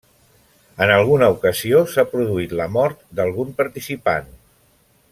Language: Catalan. En alguna ocasió s'ha produït la mort d'algun participant.